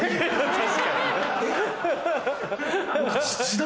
確かにな。